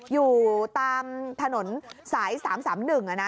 อยู่ตามถนนสาย๓๓๑นะ